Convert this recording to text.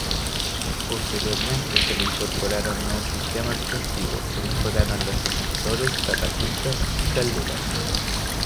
Posteriormente se le incorporaron nuevos sistemas defensivos, se mejoraron los ascensores, catapultas y calderas.